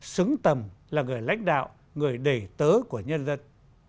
xứng tầm là người lãnh đạo người đề tớ của nhân dân